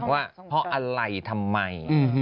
ว่าเพราะอะไรทำไม